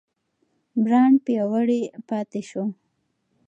برانډ پیاوړی پاتې شو.